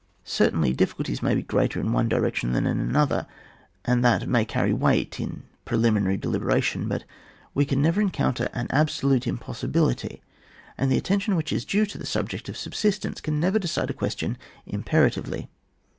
Certainly difficulties may be greater in one direc tion than in another, and that may carry weight in preliminary deliberation ; but we can never encounter an absolute im possibility, and the attention which is due to the subject of subsistence can never decide a question imperatively.